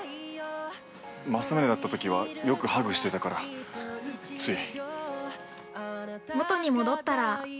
まさむねだったときはよくハグしてたから、つい。